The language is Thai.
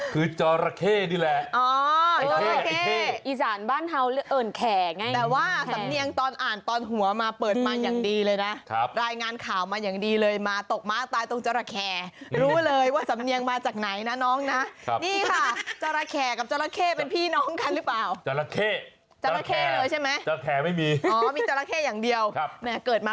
สุดจัดค่ะจรแครบอกจรแครจรแครจรแครยังอ่ะ